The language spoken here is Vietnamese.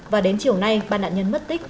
và đến chiều nay ba nạn nhân mất tích